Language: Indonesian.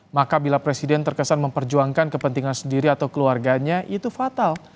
maka bila presiden terkesan memperjuangkan kepentingan sendiri atau keluarganya itu fatal